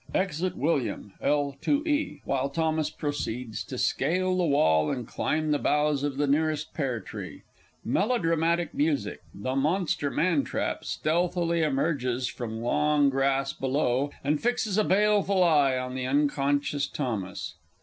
[Exit WILLIAM (L. 2 E.), while THOMAS proceeds to scale the wall and climb the boughs of the nearest pear tree. Melodramatic Music. The Monster Man trap stealthily emerges from long grass below, and fixes a baleful eye on the unconscious THOMAS.